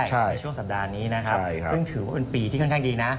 ในช่วงสัปดาห์นี้นะครับซึ่งถือว่าเป็นปีที่ค่อนข้างดีนะ